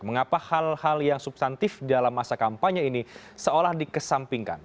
mengapa hal hal yang substantif dalam masa kampanye ini seolah dikesampingkan